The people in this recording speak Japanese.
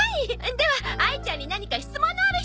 ではあいちゃんに何か質問のある人！